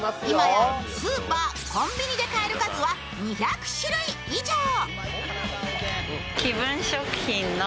今やスーパー、コンビニで買える数は２００種類以上。